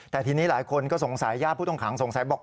แต่ทีนี้หลายคนก็สงสัยญาติผู้ต้องขังสงสัยบอก